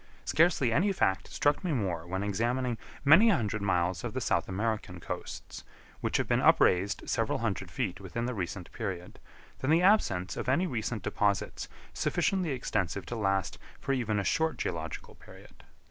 Scarcely any fact struck me more when examining many hundred miles of the South American coasts, which have been upraised several hundred feet within the recent period, than the absence of any recent deposits sufficiently extensive to last for even a short geological period.